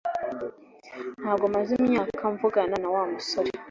Ntabwo maze imyaka mvugana na Wa musore